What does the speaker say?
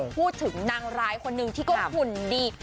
พูดถึงนางร้ายคนหนึ่งที่ก็หุ่นดี